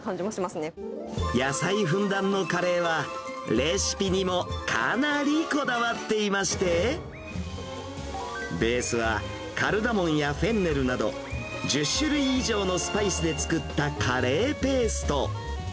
野菜ふんだんのカレーは、レシピにもかなりこだわっていまして、ベースは、カルダモンやフェンネルなど、１０種類以上のスパイスで作ったカレーペースト。